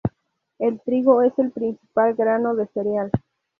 El trigo es el principal grano de cereal.